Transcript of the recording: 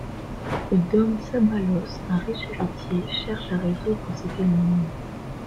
Dom Sabalos, un riche héritier, cherche à résoudre cette énigme.